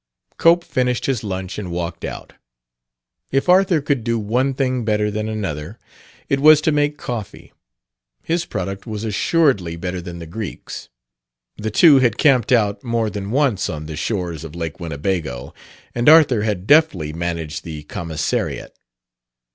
Cope finished his lunch and walked out. If Arthur could do one thing better than another, it was to make coffee; his product was assuredly better than the Greek's. The two had camped out more than once on the shores of Lake Winnebago, and Arthur had deftly managed the commissariat.